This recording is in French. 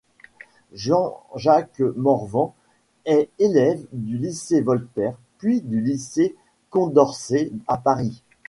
Jean-Jacques Morvan est élève du Lycée Voltaire, puis du Lycée Condorcet à Paris.